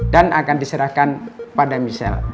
dan akan diserahkan pada michelle